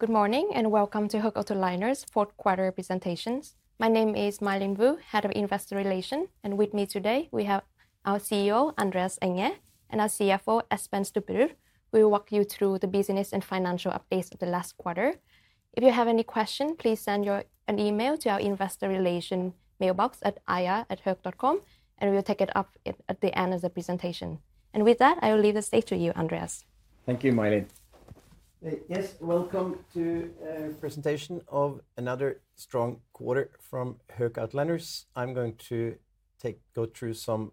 Good morning and welcome to Höegh Autoliners' fourth quarter presentations. My name is My Linh Vu, Head of Investor Relations, and with me today we have our CEO, Andreas Enger, and our CFO, Espen Stubberud. We will walk you through the business and financial updates of the last quarter. If you have any questions, please send an email to our investor relations mailbox at ir@hoegh.com, and we will take it up at the end of the presentation, and with that, I will leave the stage to you, Andreas. Thank you, My Linh. Yes, welcome to a presentation of another strong quarter from Höegh Autoliners. I'm going to go through some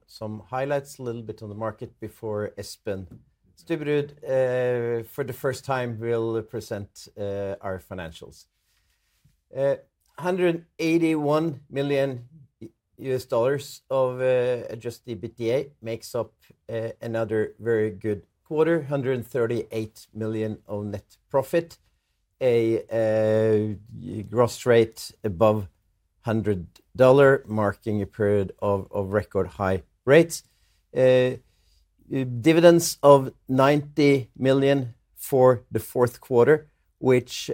highlights, a little bit on the market before Espen Stubberud for the first time will present our financials. $181 million of Adjusted EBITDA makes up another very good quarter, $138 million of net profit, a gross rate above $100, marking a period of record high rates, dividends of $90 million for the fourth quarter, which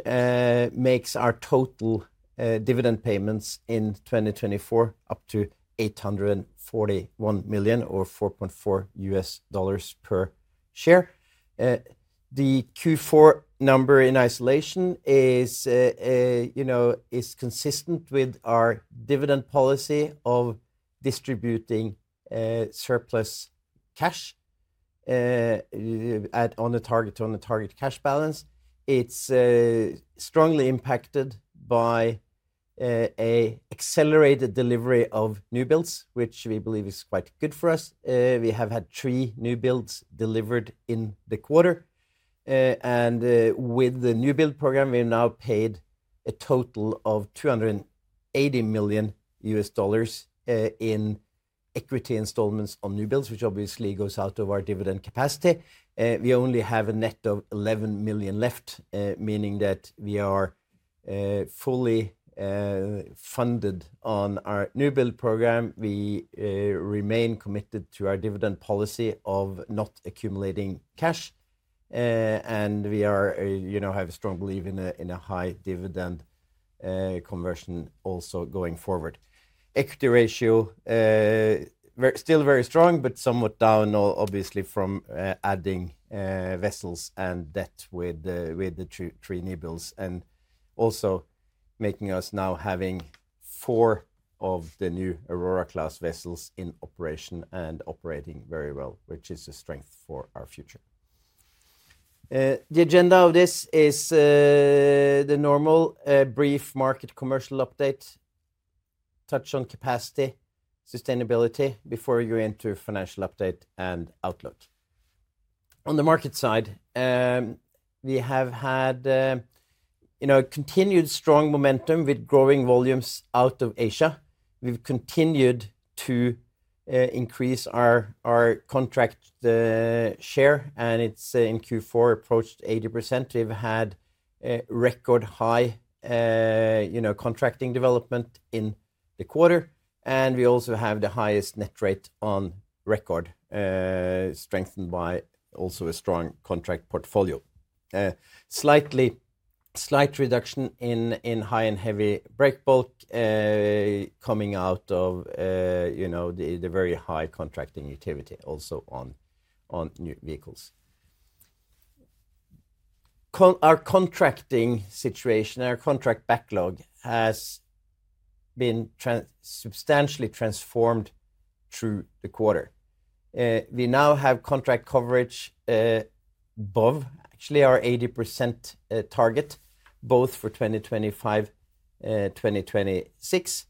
makes our total dividend payments in 2024 up to $841 million or $4.4 per share. The Q4 number in isolation is consistent with our dividend policy of distributing surplus cash on a target cash balance. It's strongly impacted by an accelerated delivery of newbuilds, which we believe is quite good for us. We have had three newbuilds delivered in the quarter, and with the new build program, we're now paid a total of $280 million in equity installments on newbuilds, which obviously goes out of our dividend capacity. We only have a net of $11 million left, meaning that we are fully funded on our new build program. We remain committed to our dividend policy of not accumulating cash, and we have a strong belief in a high dividend conversion also going forward. Equity ratio still very strong, but somewhat down, obviously, from adding vessels and debt with the three newbuilds and also making us now having four of the new Aurora Class vessels in operation and operating very well, which is a strength for our future. The agenda of this is the normal brief market commercial update, touch on capacity, sustainability before you enter financial update and outlook. On the market side, we have had continued strong momentum with growing volumes out of Asia. We've continued to increase our contract share, and it's in Q4 approached 80%. We've had record high contracting development in the quarter, and we also have the highest net rate on record, strengthened by also a strong contract portfolio. Slight reduction in High and Heavy breakbulk coming out of the very high contracting activity also on new vehicles. Our contracting situation, our contract backlog has been substantially transformed through the quarter. We now have contract coverage above, actually, our 80% target, both for 2025 and 2026.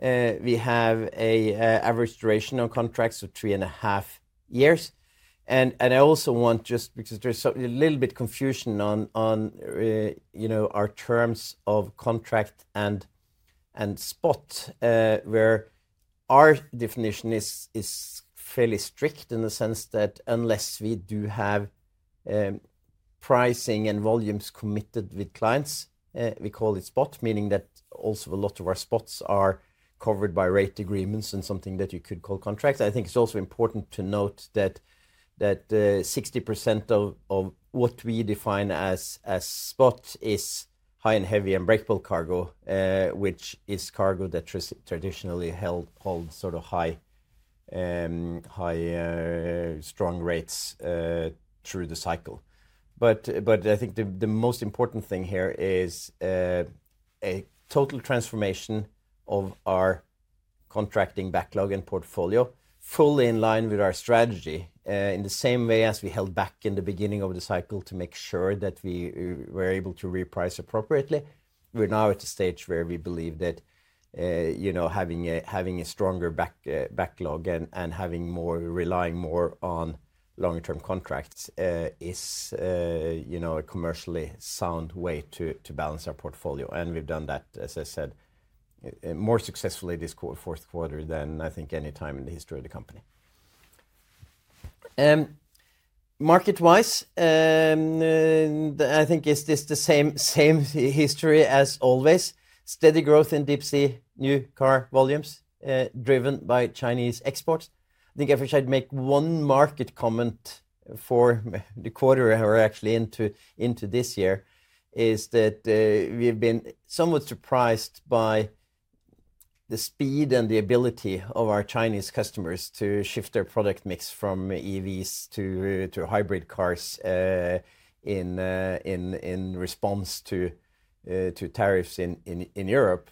We have an average duration on contracts of three and a half years. I also want, just because there's a little bit of confusion on our terms of contract and spot, where our definition is fairly strict in the sense that unless we do have pricing and volumes committed with clients, we call it spot, meaning that also a lot of our spots are covered by rate agreements and something that you could call contracts. I think it's also important to note that 60% of what we define as spot is High and Heavy breakbulk cargo, which is cargo that traditionally held sort of high, strong rates through the cycle. I think the most important thing here is a total transformation of our contracting backlog and portfolio, fully in line with our strategy, in the same way as we held back in the beginning of the cycle to make sure that we were able to reprice appropriately. We're now at a stage where we believe that having a stronger backlog and relying more on long-term contracts is a commercially sound way to balance our portfolio. And we've done that, as I said, more successfully this fourth quarter than I think any time in the history of the company. Market-wise, I think it's the same history as always. Steady growth in Deep Sea, new car volumes driven by Chinese exports. I think if I should make one market comment for the quarter we're actually into this year, it's that we've been somewhat surprised by the speed and the ability of our Chinese customers to shift their product mix from EVs to hybrid cars in response to tariffs in Europe,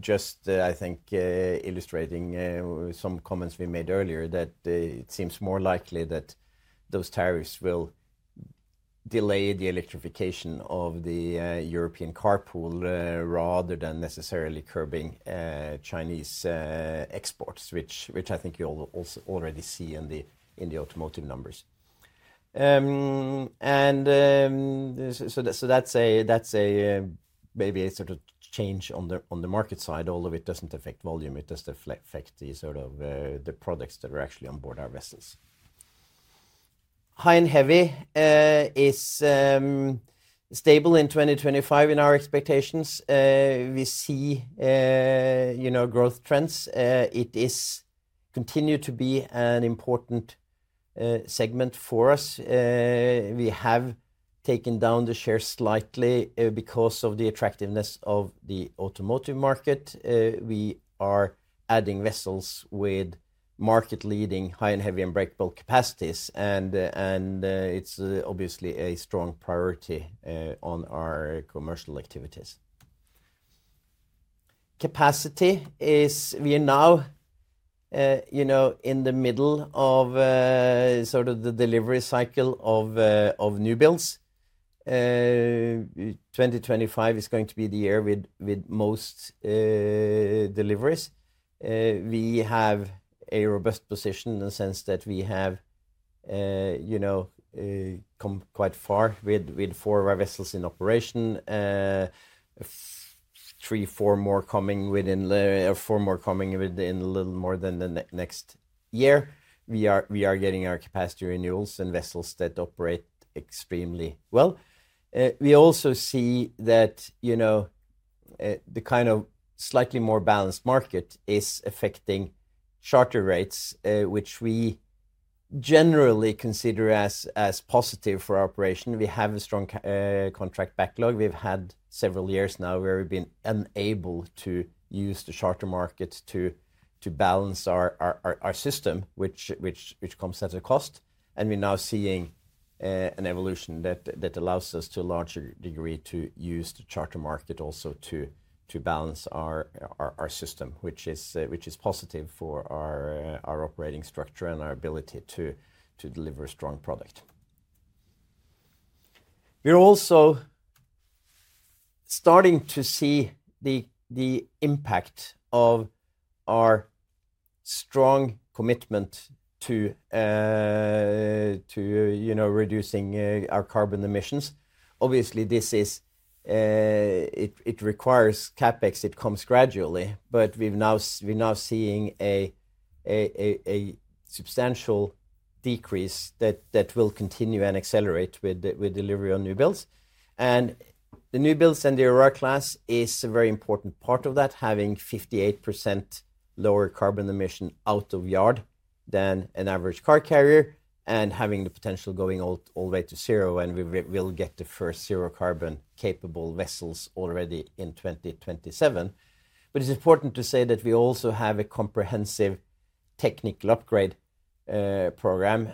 just I think illustrating some comments we made earlier that it seems more likely that those tariffs will delay the electrification of the European car pool rather than necessarily curbing Chinese exports, which I think you'll also already see in the automotive numbers. And so that's maybe a sort of change on the market side. Although it doesn't affect volume, it does affect the sort of the products that are actually on board our vessels. High and Heavy is stable in 2025 in our expectations. We see growth trends. It is continued to be an important segment for us. We have taken down the share slightly because of the attractiveness of the automotive market. We are adding vessels with market-leading High and Heavy breakbulk capacities, and it's obviously a strong priority on our commercial activities. Capacity is we are now in the middle of sort of the delivery cycle of newbuilds. 2025 is going to be the year with most deliveries. We have a robust position in the sense that we have come quite far with four of our vessels in operation, three, four more coming within a little more than the next year. We are getting our capacity renewals and vessels that operate extremely well. We also see that the kind of slightly more balanced market is affecting charter rates, which we generally consider as positive for our operation. We have a strong contract backlog. We've had several years now where we've been unable to use the charter market to balance our system, which comes at a cost. And we're now seeing an evolution that allows us to a larger degree to use the charter market also to balance our system, which is positive for our operating structure and our ability to deliver a strong product. We're also starting to see the impact of our strong commitment to reducing our carbon emissions. Obviously, it requires CapEx. It comes gradually, but we're now seeing a substantial decrease that will continue and accelerate with delivery on newbuilds. The newbuilds and the Aurora Class is a very important part of that, having 58% lower carbon emission out of yard than an average car carrier and having the potential going all the way to zero, and we will get the first zero carbon capable vessels already in 2027. It's important to say that we also have a comprehensive technical upgrade program.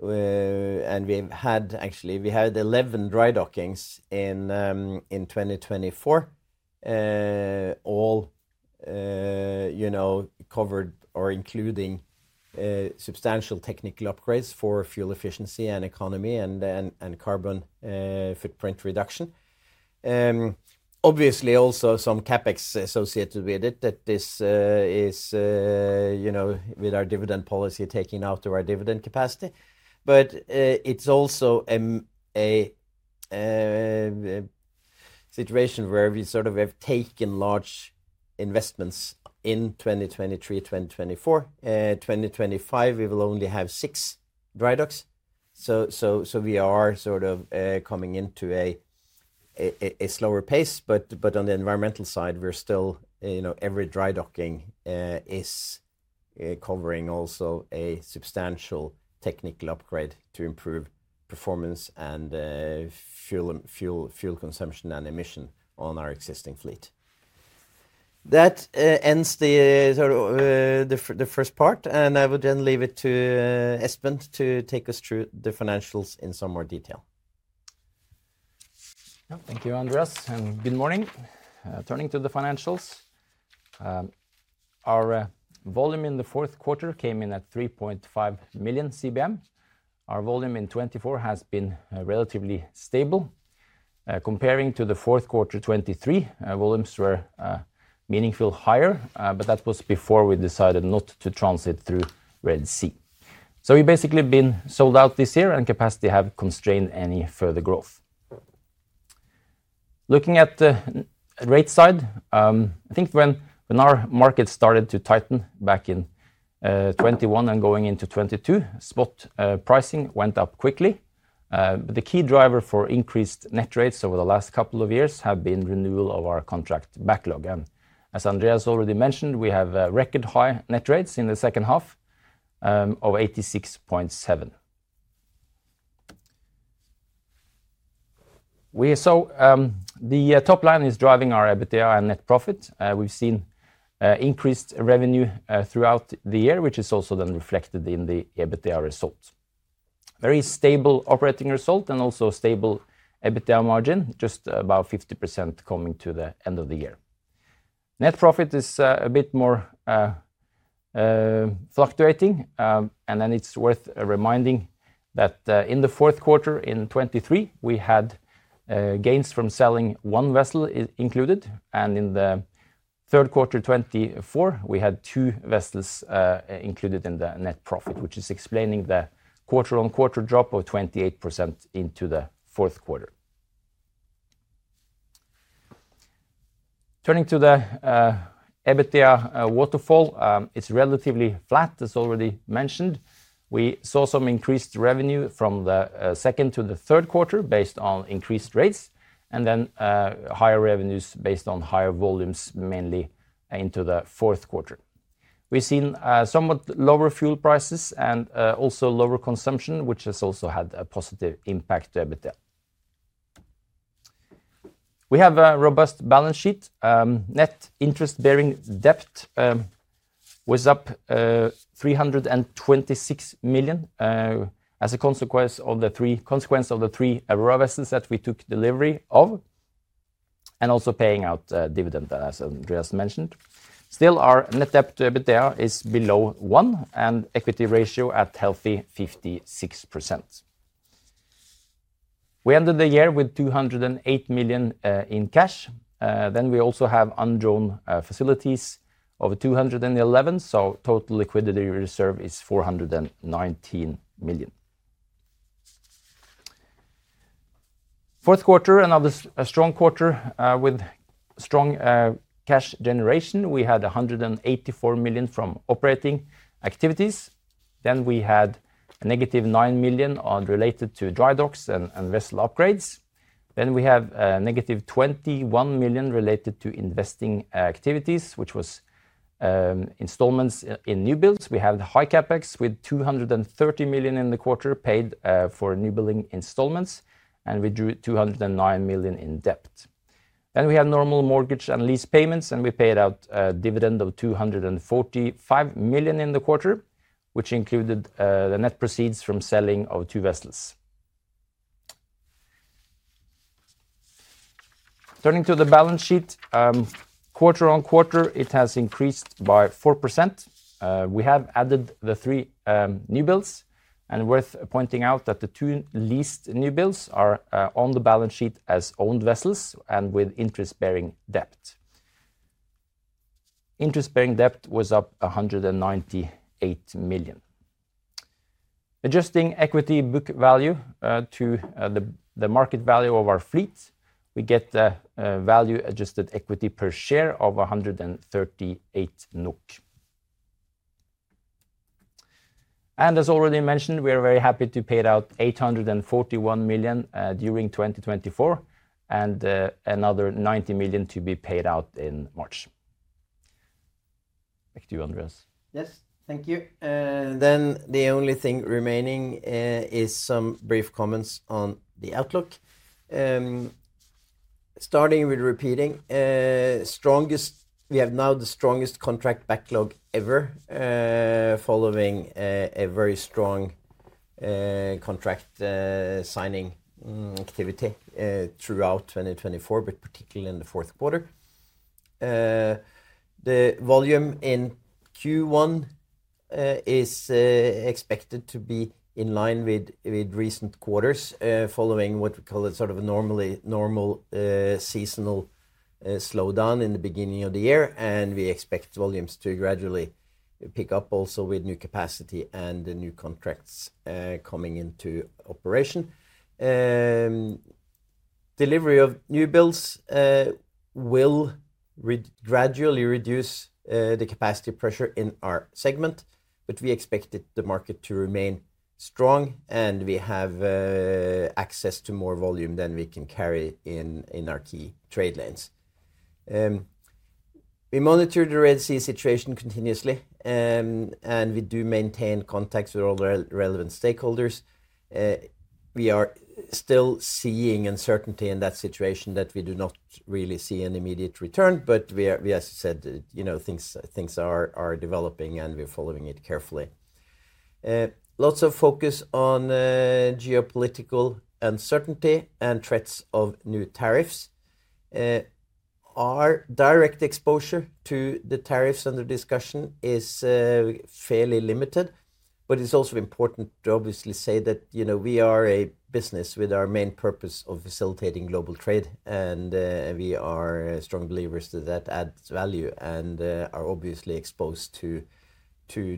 We've had, actually, we had 11 dry dockings in 2024, all covered or including substantial technical upgrades for fuel efficiency and economy and carbon footprint reduction. Obviously, also some CapEx associated with it that is with our dividend policy taking out of our dividend capacity. It's also a situation where we sort of have taken large investments in 2023, 2024. 2025, we will only have six dry docks. We are sort of coming into a slower pace, but on the environmental side, every dry docking is covering also a substantial technical upgrade to improve performance and fuel consumption and emission on our existing fleet. That ends the first part, and I would then leave it to Espen to take us through the financials in some more detail. Thank you, Andreas. Good morning. Turning to the financials, our volume in the fourth quarter came in at 3.5 million CBM. Our volume in 2024 has been relatively stable. Comparing to the fourth quarter 2023, volumes were meaningfully higher, but that was before we decided not to transit through Red Sea. So we've basically been sold out this year, and capacity hasn't constrained any further growth. Looking at the rate side, I think when our market started to tighten back in 2021 and going into 2022, spot pricing went up quickly. But the key driver for increased net rates over the last couple of years has been renewal of our contract backlog. And as Andreas already mentioned, we have record high net rates in the second half of 86.7. So the top line is driving our EBITDA and net profit. We've seen increased revenue throughout the year, which is also then reflected in the EBITDA result. Very stable operating result and also stable EBITDA margin, just about 50% coming to the end of the year. Net profit is a bit more fluctuating, and then it's worth reminding that in the fourth quarter in 2023, we had gains from selling one vessel included, and in the third quarter 2024, we had two vessels included in the net profit, which is explaining the quarter-on-quarter drop of 28% into the fourth quarter. Turning to the EBITDA waterfall, it's relatively flat, as already mentioned. We saw some increased revenue from the second to the third quarter based on increased rates, and then higher revenues based on higher volumes mainly into the fourth quarter. We've seen somewhat lower fuel prices and also lower consumption, which has also had a positive impact to EBITDA. We have a robust balance sheet. Net interest-bearing debt was up $326 million as a consequence of the three Aurora vessels that we took delivery of and also paying out dividend, as Andreas mentioned. Still, our net debt-to-EBITDA is below one, and equity ratio at healthy 56%. We ended the year with $208 million in cash. Then we also have undrawn facilities of $211 million, so total liquidity reserve is $419 million. Fourth quarter, another strong quarter with strong cash generation. We had $184 million from operating activities. Then we had negative $9 million related to dry docks and vessel upgrades. Then we have negative $21 million related to investing activities, which was installments in newbuilds. We had high CapEx with $230 million in the quarter paid for newbuilding installments, and we drew $209 million in debt. Then we had normal mortgage and lease payments, and we paid out a dividend of $245 million in the quarter, which included the net proceeds from selling of two vessels. Turning to the balance sheet, quarter on quarter, it has increased by 4%. We have added the three newbuilds, and worth pointing out that the two latest newbuilds are on the balance sheet as owned vessels and with interest-bearing debt. Interest-bearing debt was up $198 million. Adjusting equity book value to the market value of our fleet, we get the value-adjusted equity per share of 138 NOK. As already mentioned, we are very happy to pay it out $841 million during 2024 and another $90 million to be paid out in March. Back to you, Andreas. Yes, thank you. Then the only thing remaining is some brief comments on the outlook. Starting with repeating, we have now the strongest contract backlog ever following a very strong contract signing activity throughout 2024, but particularly in the fourth quarter. The volume in Q1 is expected to be in line with recent quarters following what we call a sort of normal seasonal slowdown in the beginning of the year, and we expect volumes to gradually pick up also with new capacity and new contracts coming into operation. Delivery of newbuilds will gradually reduce the capacity pressure in our segment, but we expect the market to remain strong, and we have access to more volume than we can carry in our key trade lanes. We monitor the Red Sea situation continuously, and we do maintain contacts with all the relevant stakeholders. We are still seeing uncertainty in that situation that we do not really see an immediate return, but as I said, things are developing and we're following it carefully. Lots of focus on geopolitical uncertainty and threats of new tariffs. Our direct exposure to the tariffs under discussion is fairly limited, but it's also important to obviously say that we are a business with our main purpose of facilitating global trade, and we are strong believers that that adds value and are obviously exposed to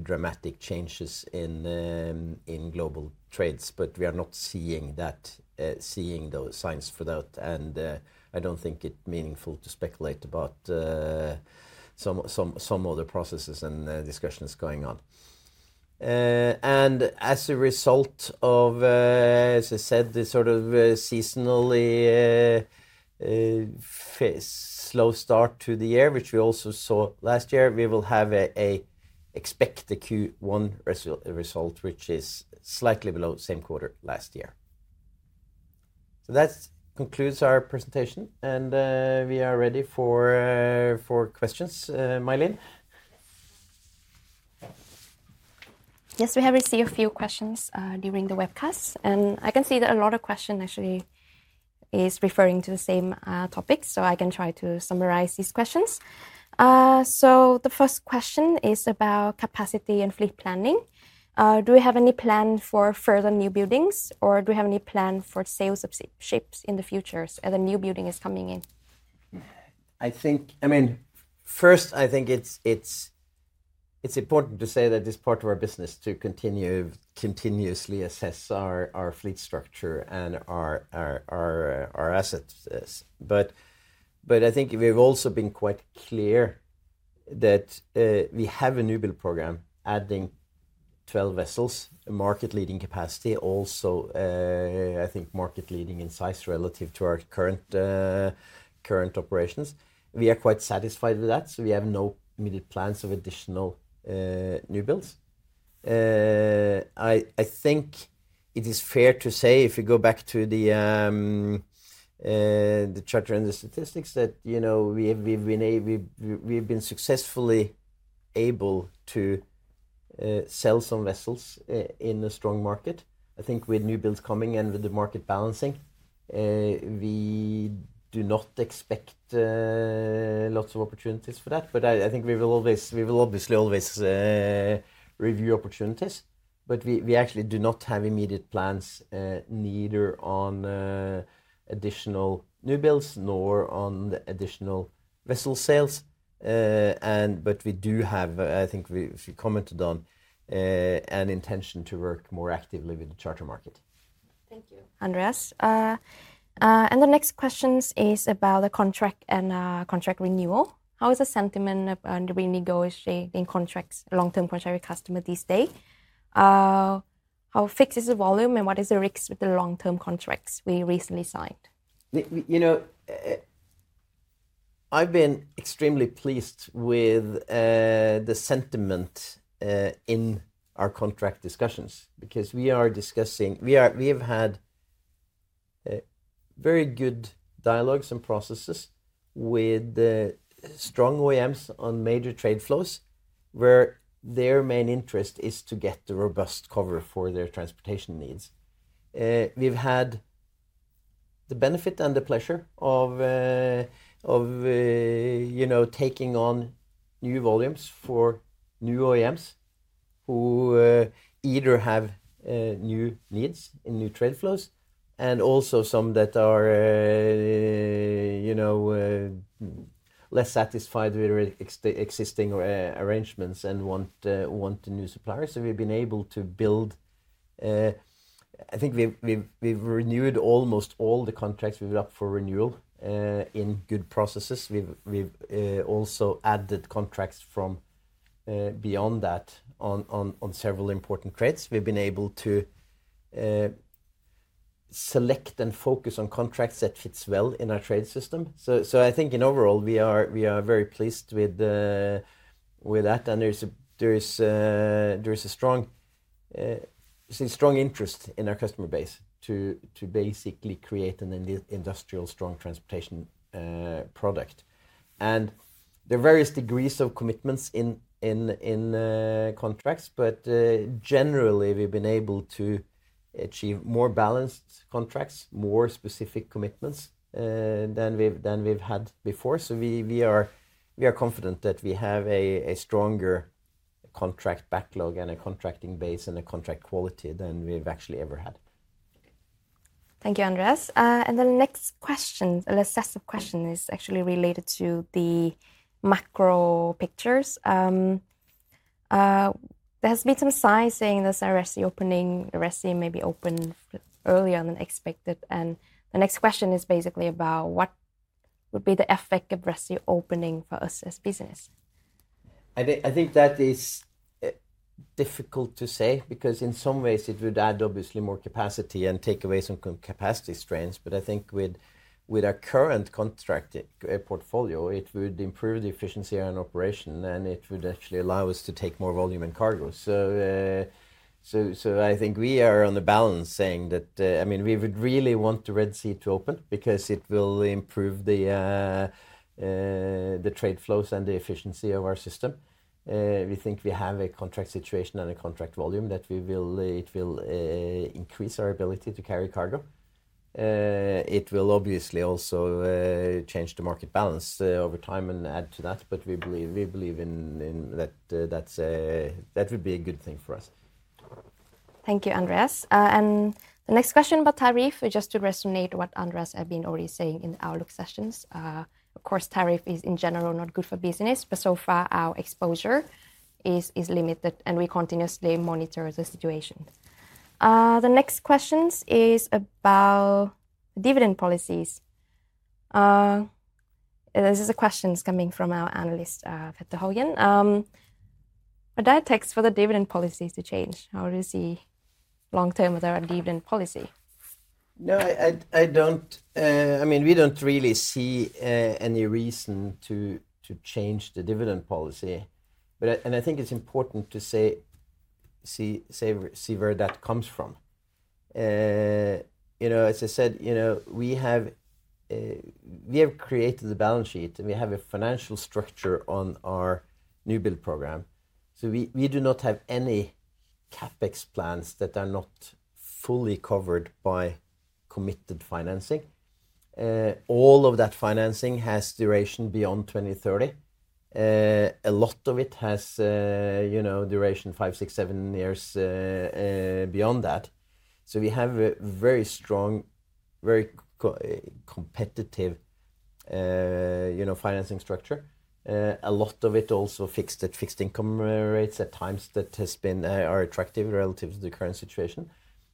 dramatic changes in global trades, but we are not seeing those signs for that, and I don't think it's meaningful to speculate about some other processes and discussions going on. And as a result of, as I said, the sort of seasonally slow start to the year, which we also saw last year, we will have an expected Q1 result, which is slightly below the same quarter last year. So that concludes our presentation, and we are ready for questions, My Linh. Yes, we have received a few questions during the webcast, and I can see that a lot of questions actually are referring to the same topic, so I can try to summarize these questions so the first question is about capacity and fleet planning. Do we have any plan for further newbuildings, or do we have any plan for sales of ships in the future as a newbuilding is coming in? I mean, first, I think it's important to say that it's part of our business to continue to continuously assess our fleet structure and our assets, but I think we've also been quite clear that we have a new build program, adding 12 vessels, a market-leading capacity, also I think market-leading in size relative to our current operations. We are quite satisfied with that, so we have no immediate plans of additional newbuilds. I think it is fair to say, if we go back to the charter and the statistics, that we've been successfully able to sell some vessels in a strong market. I think with newbuilds coming and with the market balancing, we do not expect lots of opportunities for that, but I think we will obviously always review opportunities. But we actually do not have immediate plans neither on additional newbuilds nor on additional vessel sales, but we do have, I think we commented on, an intention to work more actively with the charter market. Thank you, Andreas. And the next question is about the contract and contract renewal. How is the sentiment and renegotiating contracts long-term contract with customers these days? How fixed is the volume and what is the risk with the long-term contracts we recently signed? I've been extremely pleased with the sentiment in our contract discussions because we have had very good dialogues and processes with strong OEMs on major trade flows where their main interest is to get the robust cover for their transportation needs. We've had the benefit and the pleasure of taking on new volumes for new OEMs who either have new needs in new trade flows and also some that are less satisfied with existing arrangements and want new suppliers. So we've been able to build, I think we've renewed almost all the contracts we've got for renewal in good processes. We've also added contracts from beyond that on several important trades. We've been able to select and focus on contracts that fit well in our trade system. So I think in overall, we are very pleased with that, and there's a strong interest in our customer base to basically create an industrial strong transportation product. And there are various degrees of commitments in contracts, but generally, we've been able to achieve more balanced contracts, more specific commitments than we've had before. So we are confident that we have a stronger contract backlog and a contracting base and a contract quality than we've actually ever had. Thank you, Andreas. And the next question, the last set of questions is actually related to the macro picture. There has been some signs in this Red Sea opening. Red Sea may be open earlier than expected. And the next question is basically about what would be the effect of Red Sea opening for us as a business? I think that is difficult to say because in some ways, it would add obviously more capacity and take away some capacity strains, but I think with our current contract portfolio, it would improve the efficiency on operation, and it would actually allow us to take more volume and cargo. So I think we are on the balance saying that, I mean, we would really want the Red Sea to open because it will improve the trade flows and the efficiency of our system. We think we have a contract situation and a contract volume that it will increase our ability to carry cargo. It will obviously also change the market balance over time and add to that, but we believe that that would be a good thing for us. Thank you, Andreas. And the next question about tariff, just to resonate what Andreas has been already saying in the outlook sessions. Of course, tariff is in general not good for business, but so far our exposure is limited, and we continuously monitor the situation. The next question is about dividend policies. This is a question coming from our analyst, Per Øivind. What are your takes for the dividend policies to change? How do you see long-term with our dividend policy? No, I don't. I mean, we don't really see any reason to change the dividend policy, and I think it's important to see where that comes from. As I said, we have created the balance sheet, and we have a financial structure on our new build program. So we do not have any CapEx plans that are not fully covered by committed financing. All of that financing has duration beyond 2030. A lot of it has duration five, six, seven years beyond that. So we have a very strong, very competitive financing structure. A lot of it also fixed income rates at times that are attractive relative to the current situation.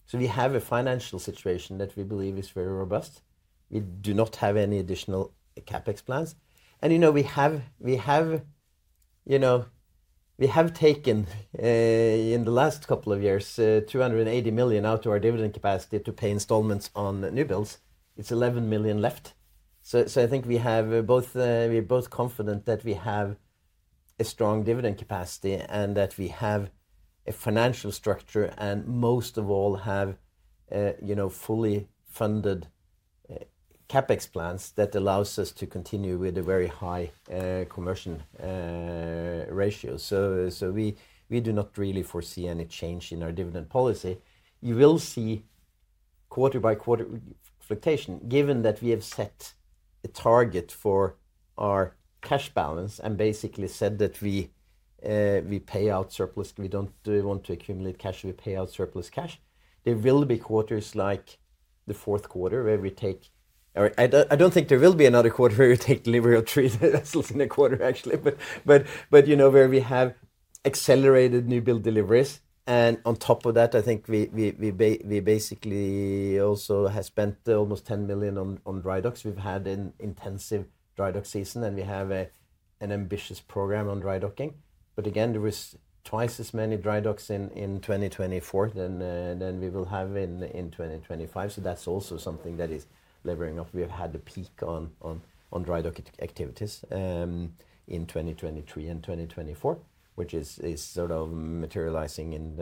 So we have a financial situation that we believe is very robust. We do not have any additional CapEx plans. We have taken in the last couple of years $280 million out of our dividend capacity to pay installments on newbuilds. It's $11 million left. So I think we are both confident that we have a strong dividend capacity and that we have a financial structure and most of all have fully funded CapEx plans that allow us to continue with a very high conversion ratio. So we do not really foresee any change in our dividend policy. You will see quarter-by-quarter fluctuation given that we have set a target for our cash balance and basically said that we pay out surplus. We don't want to accumulate cash. We pay out surplus cash. There will be quarters like the fourth quarter where we take, or I don't think there will be another quarter where we take delivery of three vessels in a quarter actually, but where we have accelerated new build deliveries. On top of that, I think we basically also have spent almost $10 million on dry docks. We've had an intensive dry dock season, and we have an ambitious program on dry docking. But again, there were twice as many dry docks in 2024 than we will have in 2025. So that's also something that is leveling off. We have had a peak on dry dock activities in 2023 and 2024, which is sort of materializing in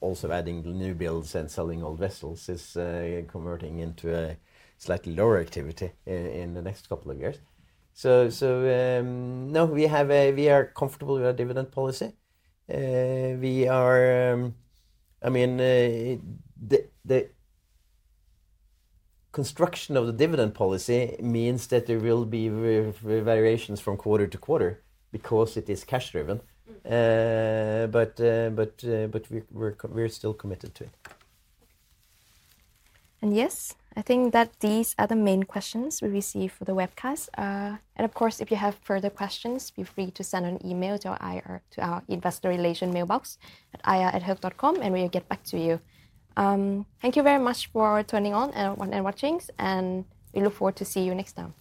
also adding newbuilds and selling old vessels is converting into a slightly lower activity in the next couple of years. So no, we are comfortable with our dividend policy. I mean, the construction of the dividend policy means that there will be variations from quarter to quarter because it is cash-driven, but we're still committed to it. Yes, I think that these are the main questions we receive for the webcast. Of course, if you have further questions, feel free to send an email to our Investor Relations mailbox at ir@hoegh.com, and we'll get back to you. Thank you very much for tuning in and watching, and we look forward to seeing you next time.